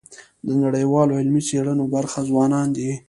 د نړیوالو علمي څېړنو برخه ځوانان دي.